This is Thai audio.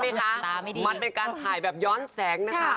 ไม่ทัดใช่ไหมคะมันเป็นการถ่ายแบบย้อนแสงนะคะ